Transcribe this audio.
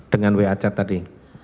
dengan wa chat tadi